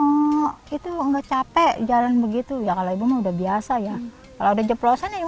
iya capek hanya kalau itu ada yang melihat itu nggak capek jalan begitu kalau ibu mah sudah biasa ya kalau udah jeplosan ya mungkin jatuh